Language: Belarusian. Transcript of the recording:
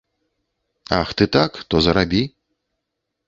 Ах ты так, то зарабі.